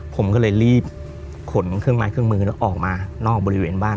ผมก็เลยรีบขนเครื่องไม้เครื่องมือออกมานอกบริเวณบ้าน